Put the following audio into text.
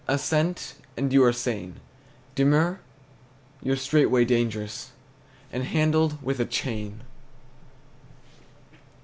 Assent, and you are sane; Demur, you're straightway dangerous, And handled with a chain.